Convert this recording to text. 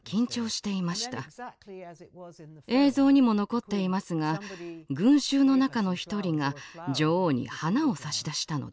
映像にも残っていますが群衆の中の一人が女王に花を差し出したのです。